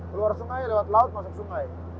keluar sungai lewat laut masuk sungai